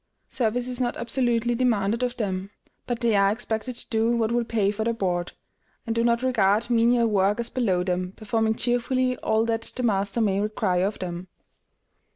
Service is not absolutely demanded of them, but they are expected to do what will pay for their board, and do not regard menial work as below them, performing cheerfully all that the master may require of them.